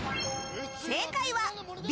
正解はＢ。